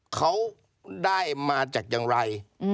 เขาได้มาจากอย่างไร